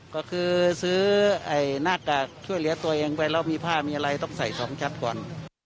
ก็คือซื้อหน้ากากช่วยเหลือตัวเองไปแล้วมีผ้ามีอะไรต้องใส่๒ชัดก่อน